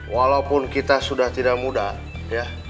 walaupun kita sudah tidak mudah ya